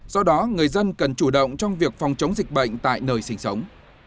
do đó người dân cần chủ động trong việc phòng chống dịch bệnh tại nơi sinh sống